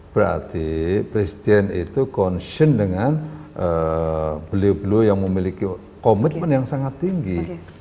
berarti presiden itu concern dengan beliau beliau yang memiliki komitmen yang sangat tinggi